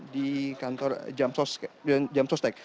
di kantor jam sosial